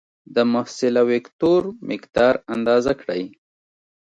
د محصله وکتور مقدار اندازه کړئ.